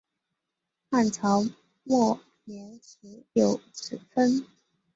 汉朝末年始有此称。